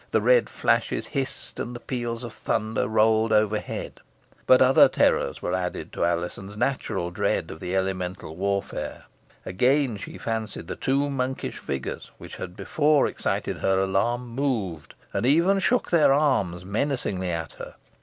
The red flashes hissed, and the peals of thunder rolled overhead. But other terrors were added to Alizon's natural dread of the elemental warfare. Again she fancied the two monkish figures, which had before excited her alarm, moved, and even shook their arms menacingly at her.